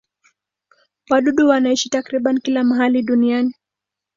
Wadudu wanaishi takriban kila mahali duniani.